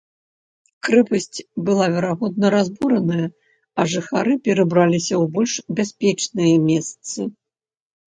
Крэпасць была, верагодна, разбураная, а жыхары перабраліся ў больш бяспечныя месцы.